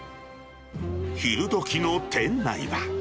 昼どきの店内は。